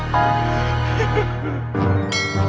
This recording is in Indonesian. terima kasih pak